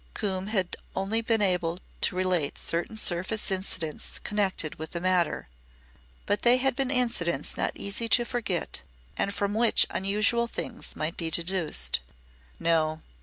Coombe had only been able to relate certain surface incidents connected with the matter, but they had been incidents not easy to forget and from which unusual things might be deduced. No!